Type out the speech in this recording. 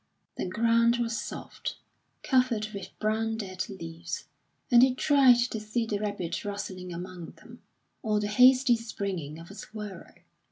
The ground was soft, covered with brown dead leaves, and he tried to see the rabbit rustling among them, or the hasty springing of a squirrel.